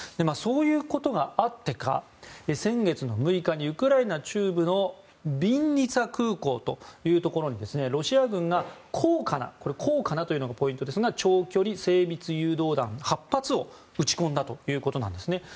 そういうことがあってか先月６日にウクライナ中部のビンニツァ空港というところにロシア軍が高価なというのがポイントですが長距離精密誘導弾８発を撃ち込んだということです。